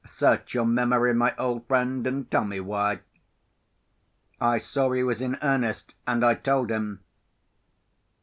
Search your memory, my old friend, and tell me why." I saw he was in earnest, and I told him.